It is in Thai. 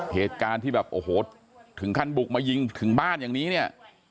เหตุการณ์ที่แบบโอ้โหถึงขั้นบุกมายิงถึงบ้านอย่างนี้เนี่ย